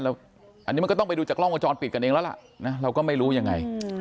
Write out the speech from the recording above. อันนี้มันก็ต้องไปดูจากกล้องวงจรปิดกันเองแล้วล่ะนะเราก็ไม่รู้ยังไง